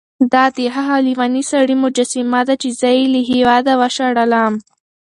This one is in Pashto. دا د هغه لېوني سړي مجسمه ده چې زه یې له هېواده وشړلم.